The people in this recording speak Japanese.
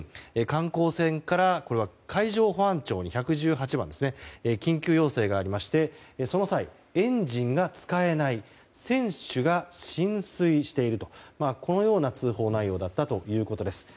観光船から海上保安庁に１１８番緊急要請がありまして、その際エンジンが使えない船首が浸水しているとこのような通報内容だったということです。